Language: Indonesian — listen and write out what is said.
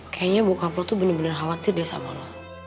kayanya bokapro tuh bener bener khawatir deh sama lo